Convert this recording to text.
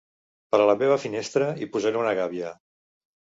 Per a la meva finestra, hi posaré una gàbia